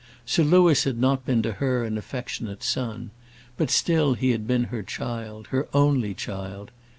Sir Louis had not been to her an affectionate son; but still he had been her child, her only child.